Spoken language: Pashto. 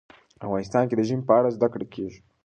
افغانستان کې د ژمی په اړه زده کړه کېږي.